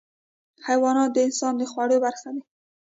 حیوانات د انسان د خوړو برخه دي.